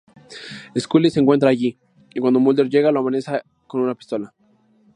Scully se encuentra allí, y cuando Mulder llega, lo amenaza con una pistola.